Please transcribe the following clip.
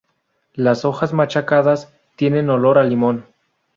Las hojas machacadas tienen olor a limón.